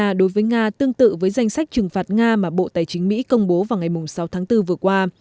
nga đối với nga tương tự với danh sách trừng phạt nga mà bộ tài chính mỹ công bố vào ngày sáu tháng bốn vừa qua